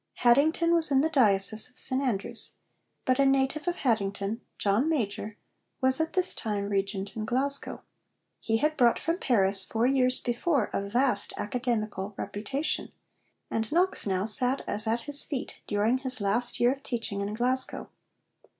Haddington was in the diocese of St Andrews, but a native of Haddington, John Major, was at this time Regent in Glasgow. He had brought from Paris, four years before, a vast academical reputation, and Knox now 'sat as at his feet' during his last year of teaching in Glasgow.